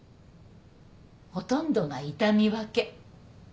ほとんどが痛み分け。